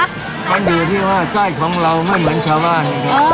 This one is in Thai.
เกระดูกที่ว่าไซ่ของเรามันเหมือนชาวบ้าน